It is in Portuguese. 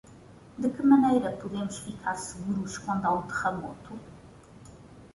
De que maneira podemos ficar seguros quando há um terremoto?